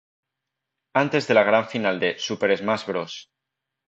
Antes de la gran final de "Super Smash Bros.